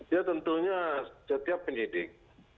ya tentunya setiap penyidik